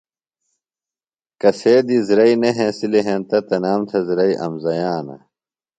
کسے دی زرئی نہ ہینسِلیۡ ہینتہ تنام تھےۡ زرئی امزیانہ۔